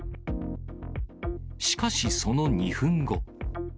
しかしその２分後。